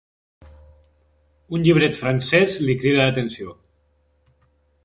Un llibret francès li crida l'atenció.